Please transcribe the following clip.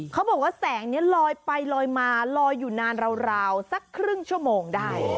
เขาบอกว่าแสงนี้ลอยไปลอยมาลอยอยู่นานราวสักครึ่งชั่วโมงได้